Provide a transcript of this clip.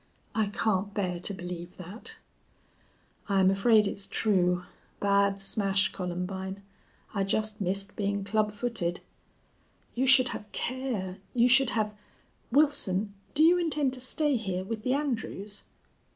"I can't bear to believe that." "I'm afraid it's true. Bad smash, Columbine! I just missed being club footed." "You should have care. You should have.... Wilson, do you intend to stay here with the Andrews?"